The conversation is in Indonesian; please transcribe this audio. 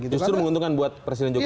justru menguntungkan buat presiden jokowi